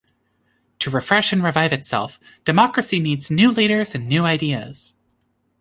To refresh and revive itself, democracy needs new leaders and new ideas.